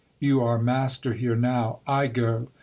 You are master here now. I go.